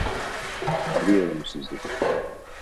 Arıyorum sizi